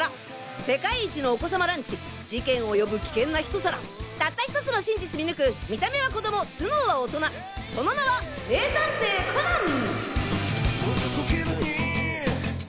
世界一のお子さまランチ事件を呼ぶ危険な一皿たった１つの真実見抜く見た目は子供頭脳は大人その名は名探偵コナン！